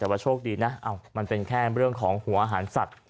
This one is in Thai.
แต่ว่าโชคดีนะมันเป็นแค่เรื่องของหัวอาหารสัตว์